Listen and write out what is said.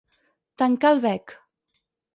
Tancar el bec.